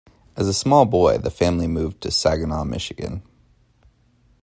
As a small boy the family moved to Saginaw, Michigan.